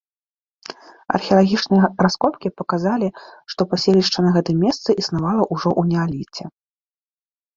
Археалагічныя раскопкі паказалі, што паселішча на гэтым месцы існавала ўжо ў неаліце.